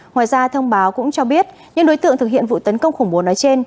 ngoài ra thông báo cũng cho biết những đối tượng thực hiện vụ tấn công khủng bố nói trên